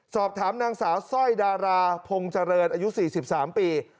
สอบถามนางสาวสร้อยดาราพงษ์เจริญอายุ๔๓ปี